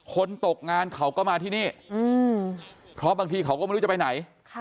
ตกงานเขาก็มาที่นี่เพราะบางทีเขาก็ไม่รู้จะไปไหน